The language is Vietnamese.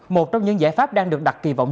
một trong những giải pháp đang được đặt kỳ vọng